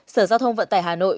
sở giao thông vận tải hà nội